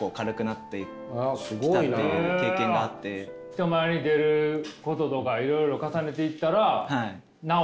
人前に出ることとかいろいろ重ねていったら治ってきた？